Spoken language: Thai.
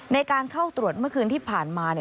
ในการเข้าตรวจเมื่อคืนที่ผ่านมาเนี่ย